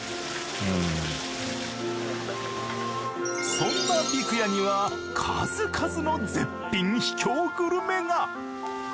そんな魚籠屋には数々の絶品秘境グルメが。